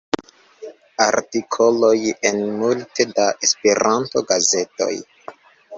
Artikoloj en multe da Esperanto-gazetoj.